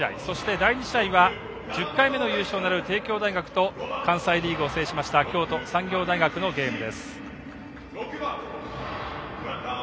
そして、第２試合は１０回目の優勝を狙う帝京大学と関西リーグを制しました京都産業大学のゲームです。